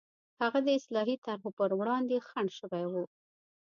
هغه د اصلاحي طرحو پر وړاندې خنډ شوي وو.